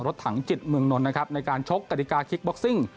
ถังจิตเมืองนนท์นะครับในการชกกฎิกาคิกบ็อกซิ่ง